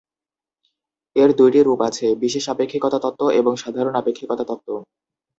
এর দুইটি রূপ আছে: বিশেষ আপেক্ষিকতা তত্ত্ব এবং সাধারণ আপেক্ষিকতা তত্ত্ব।